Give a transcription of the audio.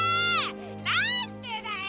なんでだよ！